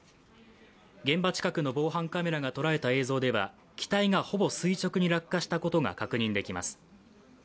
現場近くの防犯カメラが捉えた映像では機体がほぼ垂直に落下したことが確認できます。